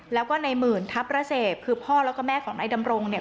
แล้วก็ในหมื่นทัพระเสพคือพ่อแล้วก็แม่ของนายดำรงเนี่ย